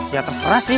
ya terserah sih